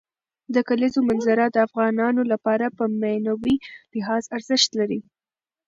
د کلیزو منظره د افغانانو لپاره په معنوي لحاظ ارزښت لري.